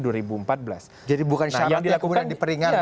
jadi bukan syarat yang diperingat atau dipersingkat gitu kan